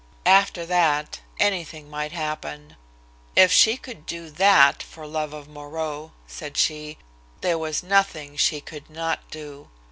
After that, anything might happen. "If she could do that for love of Moreau," said she, "there was nothing she could not do."